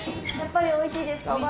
やっぱり美味しいですか？